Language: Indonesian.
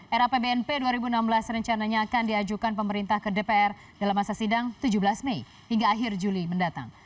era pbnp dua ribu enam belas rencananya akan diajukan pemerintah ke dpr dalam masa sidang tujuh belas mei hingga akhir juli mendatang